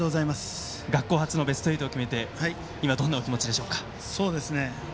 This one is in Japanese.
学校初のベスト８を決めて今、どんなお気持ちでしょうか？